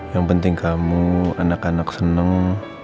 yang penting kamu anak anak senang